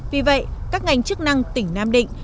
vì vậy các ngành chức năng tỉnh nam định